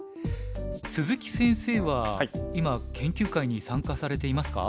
鈴木先生は今研究会に参加されていますか？